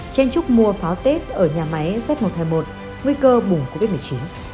chen trúc mua pháo tết ở nhà máy z một trăm hai mươi một nguy cơ bùng covid một mươi chín